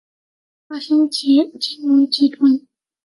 大新金融集团有限公司是一家在香港交易所上市的金融公司。